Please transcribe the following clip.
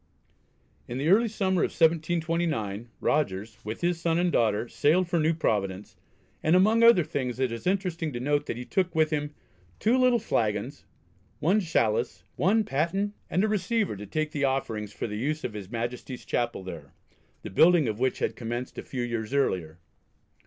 In the early summer of 1729 Rogers, with his son and daughter, sailed for New Providence, and among other things it is interesting to note that he took with him "two little flagons, one chalice, one paten, and a receiver to take the offerings for the use of his Majesty's Chapel there," the building of which had commenced a few years earlier.